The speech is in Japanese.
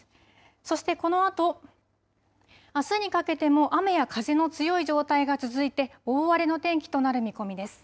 そしてこのあとあすにかけても雨や風の強い状態が続いて大荒れの天気となる見込みです。